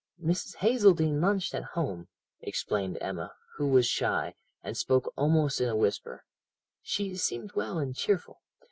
"'Mrs. Hazeldene lunched at home,' explained Emma, who was shy, and spoke almost in a whisper; 'she seemed well and cheerful.